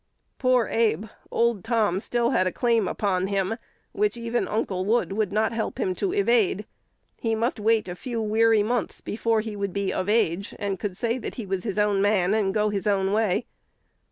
Poor Abe! old Tom still had a claim upon him, which even Uncle Wood would not help him to evade. He must wait a few weary months more before he would be of age, and could say he was his own man, and go his own way.